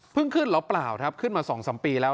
เพิ่งขึ้นแล้วเปล่าครับขึ้นมาสองสามปีแล้ว